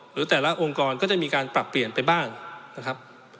หรือแต่ละองค์กรก็จะมีการปรับเปลี่ยนไปบ้างนะครับ